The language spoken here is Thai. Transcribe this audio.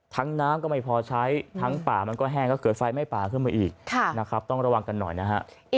น้ำก็ไม่พอใช้ทั้งป่ามันก็แห้งก็เกิดไฟไหม้ป่าขึ้นมาอีกนะครับต้องระวังกันหน่อยนะฮะ